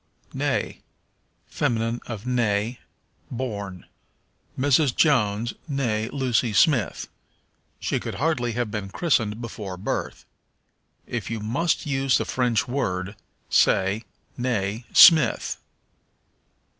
Née. Feminine of né, born. "Mrs. Jones, née Lucy Smith." She could hardly have been christened before her birth. If you must use the French word say, née Smith.